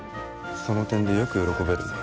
その点でよく喜べるな。